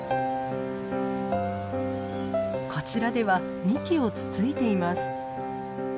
こちらでは幹をつついています。